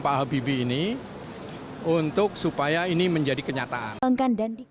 pak habibie ini untuk supaya ini menjadi kenyataan